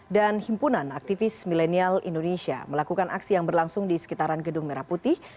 dan himpunan aktivis milenial indonesia melakukan aksi yang berlangsung di sekitaran gedung merah putih